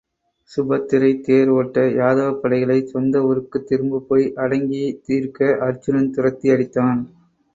சுபத்திரை தேர் ஒட்ட யாதவப்படைகளைச் சொந்த ஊருக்குத் திரும்பப் போய் அடங்கி இருக்க அருச்சுனன் துரத்தி அடித்தான்.